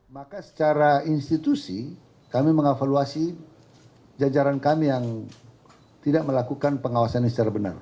maka secara institusi kami mengevaluasi jajaran kami yang tidak melakukan pengawasan ini secara benar